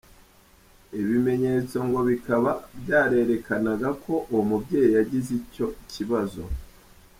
Ibimenyetso ngo bikaba byarerekanaga ko uwo mubyeyi yagize icyo kibazo.